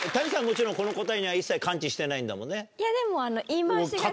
もちろんこの答えには一切関知してないんだもんね？